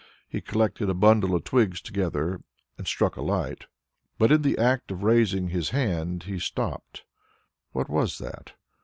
He collected a bundle of twigs together and struck a light. But in the act of raising his hand he stopped. What was that?